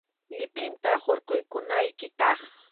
Llipinta hurqukunayki kaq.